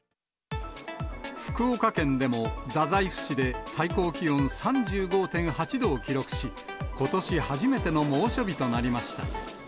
福岡県でも太宰府市で最高気温３５．８度を記録し、ことし初めての猛暑日となりました。